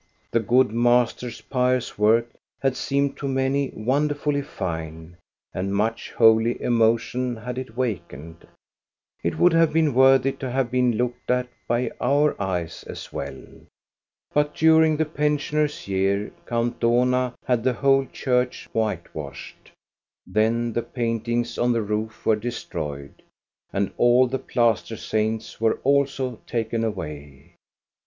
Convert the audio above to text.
The good master's pious work had seemed to many wonder fully fine, and much holy emotion had it wakened. It would have been worthy to have been looked at by our eyes as well. But during the pensioners' year, Count Dohna had the whole church whitewashed. Then the paintings on the roof were destroyed. And all the plaster saints were also taken away.